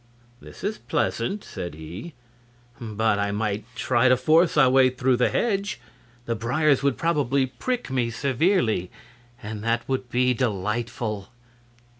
"This is pleasant," said he; "but I might try to force our way through the hedge. The briers would probably prick me severely, and that would be delightful."